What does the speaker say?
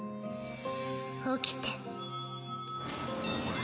起きて。